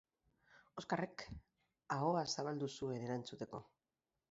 Oskarrek ahoa zabaldu zuen erantzuteko.